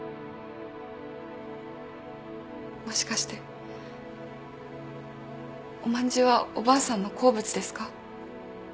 もしかしておまんじゅうはおばあさんの好物ですか？